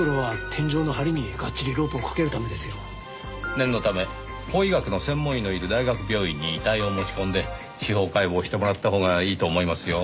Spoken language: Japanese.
念のため法医学の専門医のいる大学病院に遺体を持ち込んで司法解剖してもらったほうがいいと思いますよ。